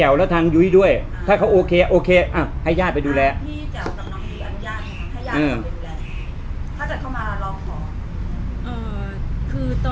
เพราะว่าอยากจะเอากลับมาดูแลเองทางเพื่อนเพื่อนก็